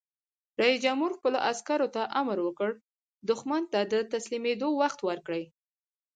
رئیس جمهور خپلو عسکرو ته امر وکړ؛ دښمن ته د تسلیمېدو وخت ورکړئ!